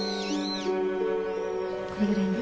これぐらいね。